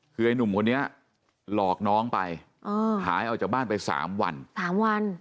คือไอ้หนุ่มคนนี้หลอกน้องไปหายออกจากบ้านไป๓วัน๓วัน